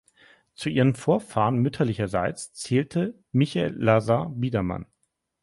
Zu ihren Vorfahren mütterlicherseits zählte Michael Lazar Biedermann.